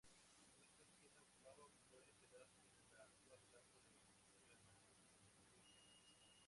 Esta esquina ocupaba un buen pedazo de la actual plaza de Canalejas.